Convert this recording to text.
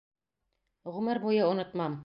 Ғүмер буйы онотмам.